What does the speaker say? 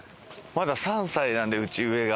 まだ３歳なんでうち上が。